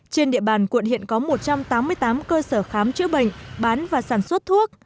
trên địa bàn quận hiện có một trăm tám mươi tám cơ sở khám chữa bệnh bán và sản xuất thuốc